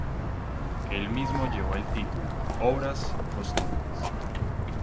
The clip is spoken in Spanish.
El mismo llevó el título "Obras cumbres".